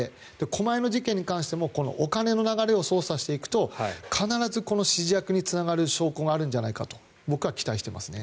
狛江の事件に関してもお金の流れを捜査していくと必ず指示役につながる証拠があるんじゃないかと僕は期待していますね。